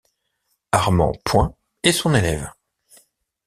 Armand Point est son élève.